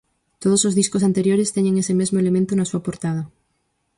Todos os discos anteriores teñen ese mesmo elemento na súa portada.